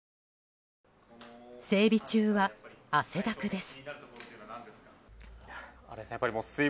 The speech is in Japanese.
整備中は汗だくです。